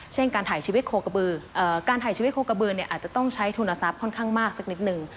การถ่ายชีวิตโคกระบือการถ่ายชีวิตโคกระบือเนี่ยอาจจะต้องใช้ทุนทรัพย์ค่อนข้างมากสักนิดนึง